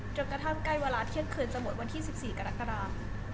จนกระทั่งใกล้เวลาเที่ยงคืนจะหมดวันที่๑๔กรกฎา